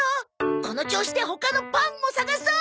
この調子で他の「パン」も探そう！